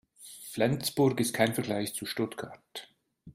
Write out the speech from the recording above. Flensburg ist kein Vergleich zu Stuttgart